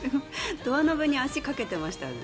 ドアノブに足かけてましたよね。